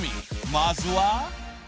まずは］